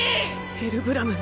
ヘルブラム。